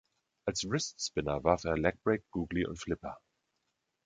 Als Wrist Spinner warf er Legbreak, Googly und Flipper.